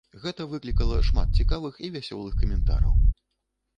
Гэта выклікала шмат цікавых і вясёлых каментараў.